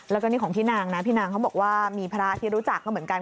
แล้วก็นี่ของพี่นางนะพี่นางเขาบอกว่ามีพระที่รู้จักก็เหมือนกัน